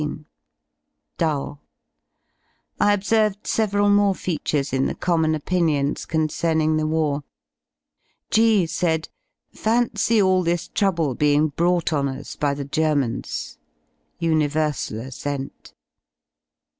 Dull. I observed several more features in the common opinions concerning the war. G said: "Fancy all this trouble being brought on us by the Germans." Universal assent.